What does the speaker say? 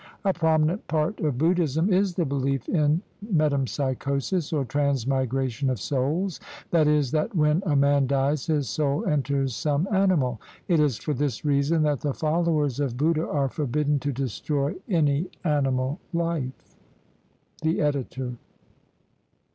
A prominent part of Buddhism is the belief in me tempsychosis, or transmigration of souls ; that is, that when a man dies his soul enters some animal. It is for this reason that the followers of Buddha are forbidden to destroy any animal life. The Editor.